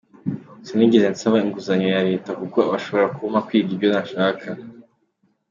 Sinigeze nsaba inguzanyo ya Leta kuko bashobora kumpa kwiga icyo ndashaka.